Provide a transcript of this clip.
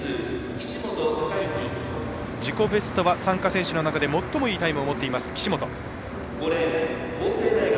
自己ベストは参加選手の中で最もいいタイムを持っている岸本。